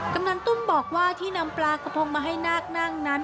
กำนันตุ้มบอกว่าที่นำปลากระพงมาให้นาคนั่งนั้น